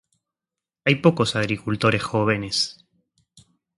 Hay pocos agricultores jóvenes.